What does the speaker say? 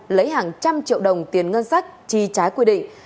lấy hàng trăm triệu đồng tiền ngân sách chi trái quy định